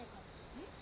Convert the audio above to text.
えっ？